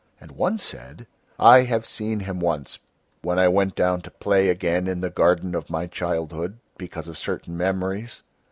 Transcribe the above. And one said: "I have seen him once when I went down to play again in the garden of my childhood because of certain memories.